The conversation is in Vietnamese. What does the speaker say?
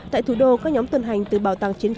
tại thủ đô các nhóm tuần hành từ bảo tàng chiến